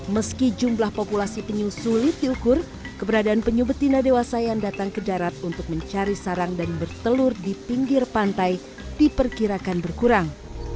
meski jumlah populasi penyu sulit diukur keberadaan penyu betina dewasa yang datang ke darat untuk mencari sarang dan bertelur di pinggir pantai diperkirakan berkurang